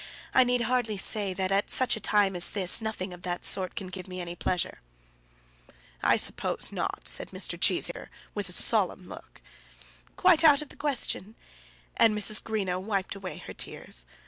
I need hardly say that at such a time as this nothing of that sort can give me any pleasure." "I suppose not," said Mr. Cheesacre, with solemn look. "Quite out of the question." And Mrs. Greenow wiped away her tears.